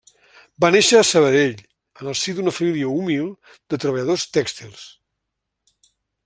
Va néixer a Sabadell en el si d'una família humil de treballadors tèxtils.